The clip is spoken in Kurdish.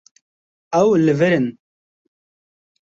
Ew li vir in.